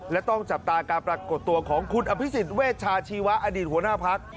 และต้องจับตาการปรากฏตัวของคุณอภิษฎเวชาชีวะอดีตหัวหน้าพัก